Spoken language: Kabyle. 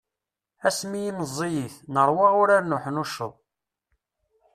Asmi i meẓẓiyit, nerwa urar n uḥnucceḍ.